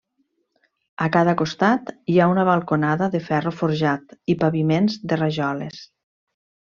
A cada costat hi ha una balconada de ferro forjat i paviments de rajoles.